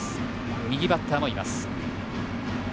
右バッターもいます。